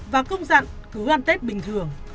và công dặn cứu ăn tết bình thường